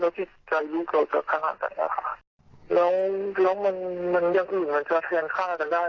แล้วจิตใจลูกกับก็ขนาดไหนนะคะ